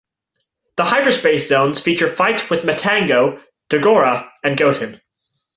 The hyperspace zones feature fights with Matango, Dogora, and Goten.